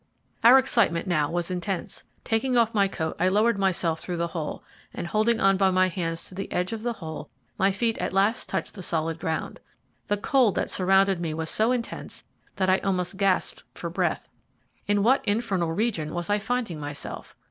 Our excitement now was intense. Taking off my coat I lowered myself through the hole, and holding on by my hands to the edge of the hole, my feet at last touched the solid ground. The cold that surrounded me was so intense that I almost gasped for breath. In what infernal region was I finding myself?